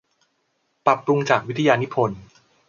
ปรับปรุงจากวิทยานิพนธ์